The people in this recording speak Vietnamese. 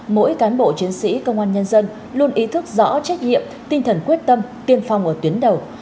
mỗi cán bộ chiến sĩ công an nhân dân luôn ý thức rõ trách nhiệm tinh thần quyết tâm tiên phong ở tuyến đầu